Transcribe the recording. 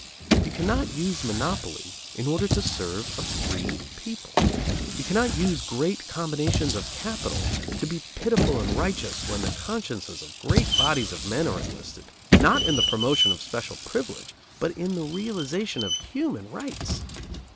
You cannot use monopoly in order to serve a free people. You cannot use great combinations of capital to be pitiful and righteous when the consciences of great bodies of men are enlisted, not in the promotion of special privilege, but in the realization of human rights.